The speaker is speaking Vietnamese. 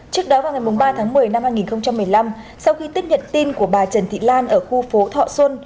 trước đó vào ngày ba tháng một mươi năm hai nghìn một mươi năm sau khi tiếp nhận tin của bà trần thị lan ở khu phố thọ xuân